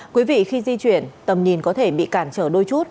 quý vị khi di chuyển tầm nhìn có thể bị cản trở đôi chút